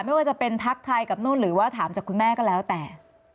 ไม่ว่าจะเป็นทักทายกับนู่นหรือว่าถามจากคุณแม่ก็แล้วแต่